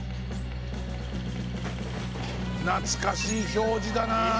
懐かしい表示だな。